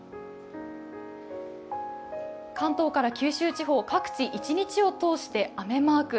関東から九州地方、各地一日を通して雨マーク。